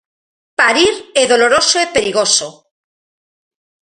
Parir é doloroso e perigoso.